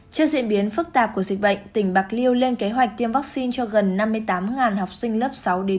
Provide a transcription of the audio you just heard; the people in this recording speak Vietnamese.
trên diễn biến phức tạp của dịch bệnh tỉnh bạc liêu lên kế hoạch tiêm vaccine cho gần năm mươi tám học sinh lớp sáu một mươi hai